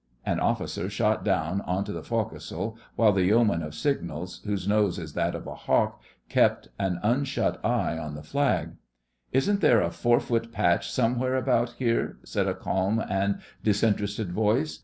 An officer shot down on to the foc'sle, while the yeoman of signals, whose nose is that of a hawk, kept an unshut eye on the Flag. 'Isn't there a four foot patch somewhere about here?' said a calm and disinterested voice.